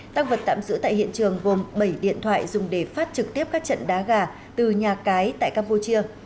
tăng vật tạm giữ tại hiện trường gồm bảy điện thoại dùng để phát trực tiếp các trận đá gà từ nhà cái tại campuchia